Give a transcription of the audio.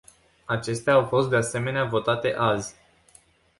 Acestea au fost, de asemenea, votate azi.